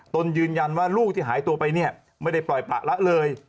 ตนยืนยันว่าลูกที่หายตัวไปเนี่ยไม่ได้ปล่อยประละเลย